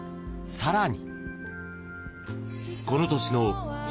［さらに］